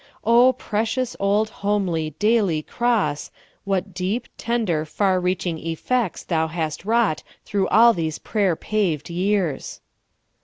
Oh, precious old homel} , dail}^ cross, what deep, tender, far reaching effects thou hast wrought through all these pra3'er paved 3'ears